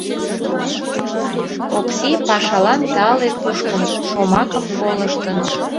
Окси пашалан тале кушкын, шомакым колыштын.